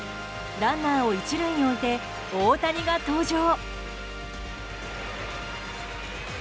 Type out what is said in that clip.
ランナーを１塁に置いて大谷が登場。